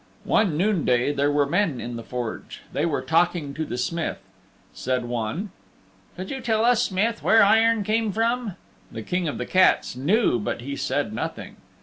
One noonday there were men in the Forge. They were talking to the Smith. Said one, "Could you tell us, Smith, where iron came from?" The King of the Cats knew but he said nothing.